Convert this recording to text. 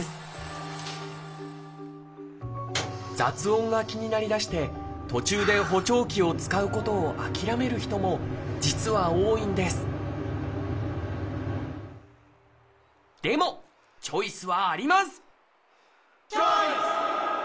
雑音が気になりだして途中で補聴器を使うことを諦める人も実は多いんですでもチョイスはあります！